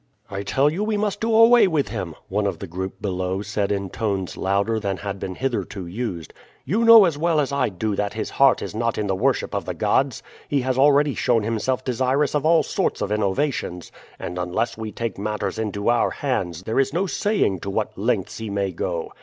"I tell you we must do away with him," one of the group below said in tones louder than had been hitherto used. "You know as well as I do that his heart is not in the worship of the gods. He has already shown himself desirous of all sorts of innovations, and unless we take matters in our hands there is no saying to what lengths he may go.